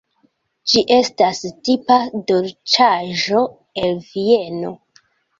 Ĝi estas tipa dolĉaĵo el Vieno.